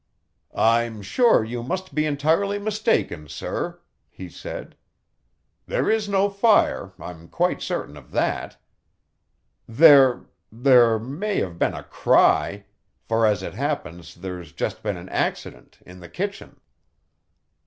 "I'm sure you must be entirely mistaken, sir," he said. "There is no fire, I'm quite certain of that. There there may have been a cry, for as it happens there's just been an accident in the kitchen."